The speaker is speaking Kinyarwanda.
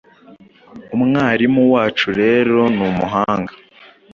Umwarimu wacu rero numuhanga